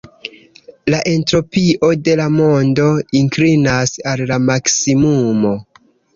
La entropio de la mondo inklinas al la maksimumo.